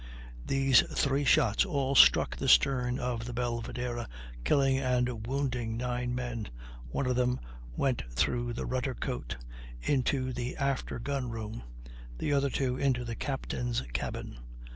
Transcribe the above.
These three shots all struck the stern of the Belvidera, killing and wounding nine men, one of them went through the rudder coat, into the after gun room, the other two into the captain's cabin.